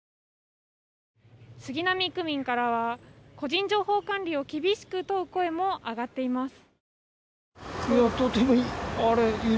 杉並区民からは個人情報管理を厳しく問う声も挙がっています。